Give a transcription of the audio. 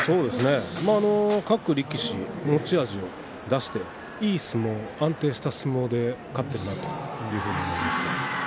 各力士持ち味を出していい相撲を安定した相撲で勝っているなというふうに思います。